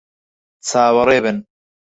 چاوەڕێ بن!